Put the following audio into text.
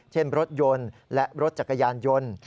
เช่นรถยนต์และรถจักรยานยนต์